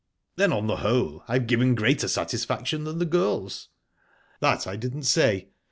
"Then, on the whole, I've given greater satisfaction than the girls?" "That I didn't say.